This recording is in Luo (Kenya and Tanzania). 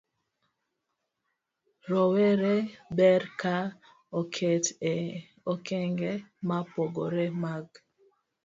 Rowere ber ka oket e okenge ma opogore mag